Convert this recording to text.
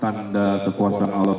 tanda kekuasaan allah